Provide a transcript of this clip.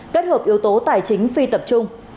với một yếu tố tài chính phi tập trung